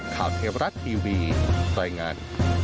ข่าวเทวรัตน์ทีวีต่อยงาน